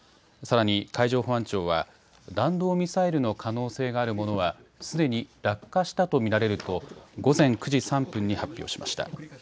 さらに海上保安庁は弾道ミサイルの可能性があるものはすでに落下したと見られると午前９時３分に発表しました。